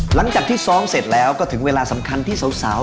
หลังจากที่ซ้อมเสร็จแล้วก็ถึงเวลาสำคัญที่สาว